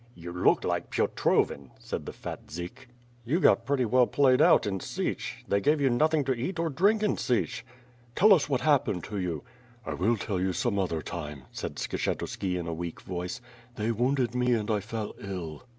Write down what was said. "You look like Piotrovin," said the fat Dzik. "You got pretty well played out in Sich. They gave you nothing to eat or drink in Sich." "Tell us what happened to you?" "I will tell you, some other time," said Skshetuski in a weak voice. "They wounded me and I fell ill.'